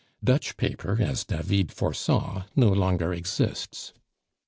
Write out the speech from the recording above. Dutch paper, as David foresaw, no longer exists.